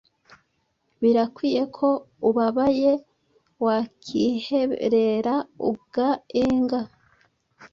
Birakwiye ko ubabaye, wakiherera ugaenga